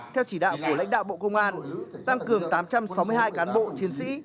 theo chỉ đạo của lãnh đạo bộ công an tăng cường tám trăm sáu mươi hai cán bộ chiến sĩ